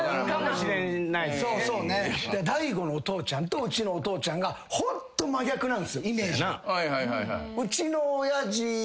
大悟のお父ちゃんとうちのお父ちゃんがホント真逆なんすよイメージが。